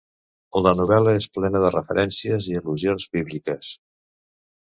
La novel·la és plena de referències i al·lusions bíbliques.